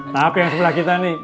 tahap yang sebelah kita nih